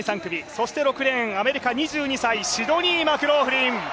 そして６レーン、アメリカ２２歳シドニー・マクローフリン。